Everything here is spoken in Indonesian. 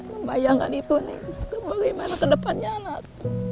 membayangkan itu nih bagaimana ke depannya anak